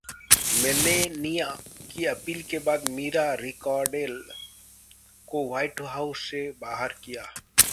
Melania की अपील के बाद मीरा रिकार्डेल को व्हाइट हाउस से बाहर किया